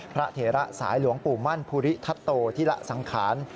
เถระสายหลวงปู่มั่นภูริทัตโตธิระสังขาร